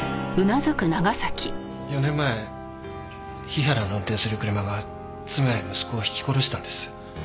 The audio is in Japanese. ４年前日原の運転する車が妻や息子をひき殺したんです。